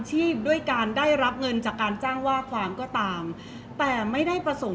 เพราะว่าสิ่งเหล่านี้มันเป็นสิ่งที่ไม่มีพยาน